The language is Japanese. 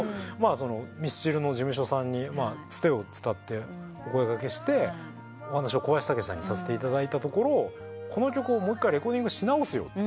ミスチルの事務所さんにつてを伝ってお声掛けしてお話を小林武史さんにさせていただいたところ「この曲をもう１回レコーディングし直すよ」と。